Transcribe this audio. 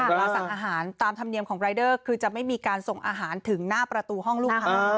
เราสั่งอาหารตามธรรมเนียมของรายเดอร์คือจะไม่มีการส่งอาหารถึงหน้าประตูห้องลูกค้า